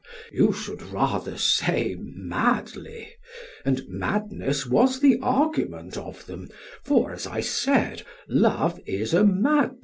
SOCRATES: You should rather say 'madly;' and madness was the argument of them, for, as I said, 'love is a madness.'